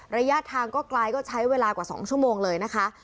ระยะทางก็ไกลก็ใช้เวลากว่า๒ชั่วโมงเลยนะคะ